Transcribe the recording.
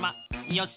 よし。